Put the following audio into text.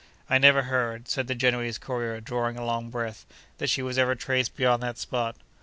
I never heard (said the Genoese courier, drawing a long breath) that she was ever traced beyond that spot.